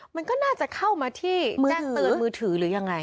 มันก็น่าจะเข้ามาที่แจ้งเตือนมือถือหรือยังไง